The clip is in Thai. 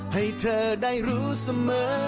ให้เธอได้รู้เสมอ